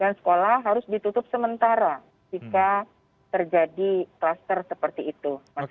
dan sekolah harus ditutup sementara jika terjadi kluster seperti itu